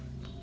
pak pak pak